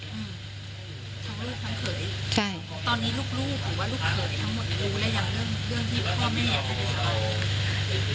ตอนนี้ลูกลูกหรือว่าลูกของทั้งหมดรู้ได้ยังเรื่องที่พ่อแม่อยากให้เข้า